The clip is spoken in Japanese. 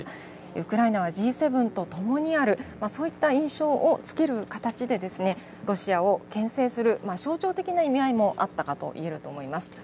ウクライナはＧ７とともにある、そういった印象をつける形でロシアをけん制する象徴的な意味合いもあったかといえると思います。